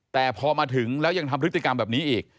แต่พอมาถึงแล้วยังทำพฤติกรรมแบบนี้อีก